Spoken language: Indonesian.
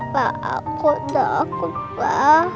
pa aku takut pa